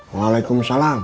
assalamualaikum pak saterwe